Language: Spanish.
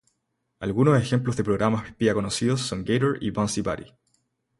Algunos ejemplos de programas espía conocidos son Gator o Bonzi Buddy.